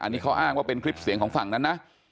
อันนี้เขาอ้างว่าเป็นคลิปเสียงของฝั่งนั้นนะ